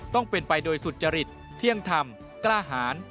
ต้องเป็นไปโดยสุจริตเที่ยงธรรมกล้าหาร